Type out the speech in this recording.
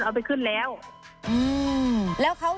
แล้วทีนี้เขาก็เอาไปบ้านแฟนเขา